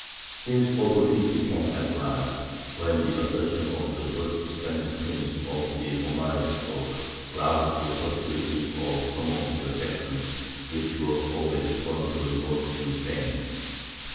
His opportunity came at last when the accession of the first Spanish prince of the Omeyyad stock roused the hostility of some of the factions which were always prone to revolt in Spain.